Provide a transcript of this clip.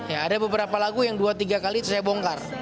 ya ada beberapa lagu yang dua tiga kali itu saya bongkar